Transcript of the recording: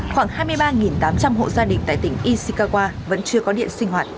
khoảng hai mươi ba tám trăm linh hộ gia đình tại tỉnh ishikawa vẫn chưa có điện sinh hoạt